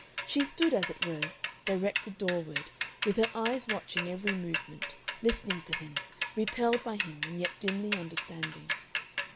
She stood, as it were, directed doorward, with her eyes watching every movement, listening to him, repelled by him and yet dimly understanding.